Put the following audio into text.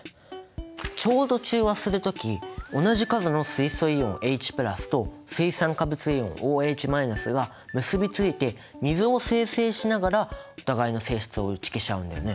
ちょうど中和する時同じ数の水素イオンＨと水酸化物イオンＯＨが結び付いて水を生成しながら互いの性質を打ち消し合うんだよね。